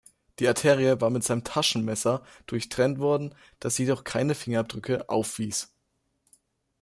Die Arterie war mit seinem Taschenmesser durchtrennt worden, das jedoch keine Fingerabdrücke aufwies.